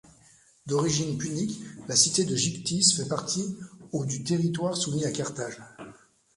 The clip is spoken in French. D'origine punique, la cité de Gigthis fait partie, au du territoire soumis à Carthage.